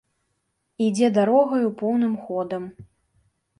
Ідзе дарогаю поўным ходам.